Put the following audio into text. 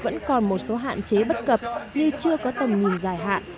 vẫn còn một số hạn chế bất cập như chưa có tầm nhìn dài hạn